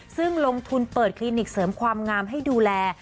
ซึ่งลงทุนเปิดคลินิกเสริมความงามให้ดูแล